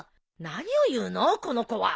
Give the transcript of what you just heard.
何を言うのこの子は。